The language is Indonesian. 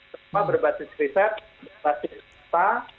terutama berbasis riset berbasis peserta